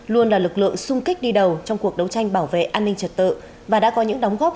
luôn là lực lượng sung kích đi đầu trong cuộc đấu tranh bảo vệ an ninh trật tự và đã có những đóng góp